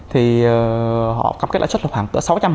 thì họ cam kết lãi suất lập khoảng sáu trăm linh